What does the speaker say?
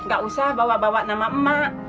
gak usah bawa bawa nama